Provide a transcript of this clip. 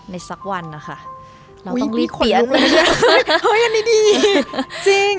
ในสักวันนะคะเราต้องรีบเปลี่ยนเฮ้ยอันนี้ดีจริง